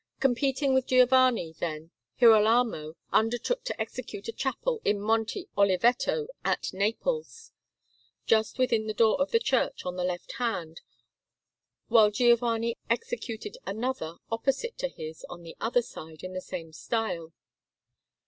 Competing with Giovanni, then, Girolamo undertook to execute a chapel in Monte Oliveto at Naples, just within the door of the church, on the left hand, while Giovanni executed another opposite to his, on the other side, in the same style.